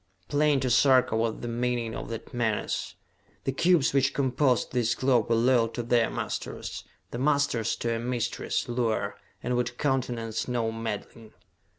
Plain to Sarka was the meaning of that menace: The cubes which composed this globe were loyal to their masters, the masters to a mistress, Luar, and would countenance no meddling.